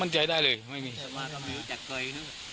มั่นใจได้เลยไม่มี